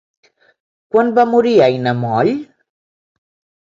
Quan va morir Aina Moll?